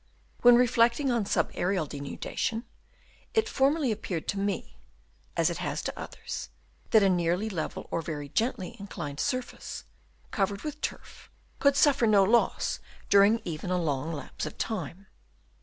When reflecting on sub aerial denudation, it formerly appeared to me, as it has to others, that a nearly level or very gently inclined surface, covered with turf, could suffer no loss during even a long lapse of time.